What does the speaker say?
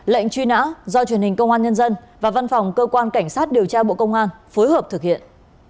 lệnh truy nã do truyền hình công an nhân dân và văn phòng cơ quan cảnh sát điều tra bộ công an phối hợp thực hiện